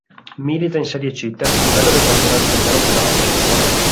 Milita in Serie C, terzo livello del campionato italiano di calcio.